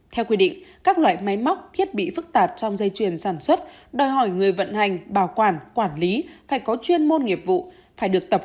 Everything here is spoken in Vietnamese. theo quy định các loại máy móc thiết bị phức tạp trong dây chuyền sản xuất đòi hỏi người vận hành bảo quản quản lý phải có chuyên môn nghiệp vụ